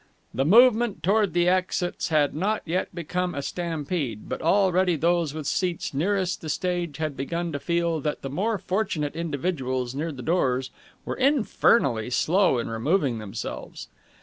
The movement towards the exits had not yet become a stampede, but already those with seats nearest the stage had begun to feel that the more fortunate individuals near the doors were infernally slow in removing themselves.